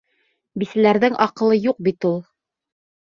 Бисәләрҙең аҡылы юҡ бит ул!